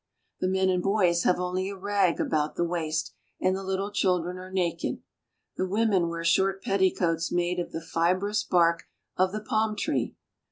The men and boys have only a rag about the waist, and the little children are naked. The women wear short petticoats made of the fibrous bark of the palm tree.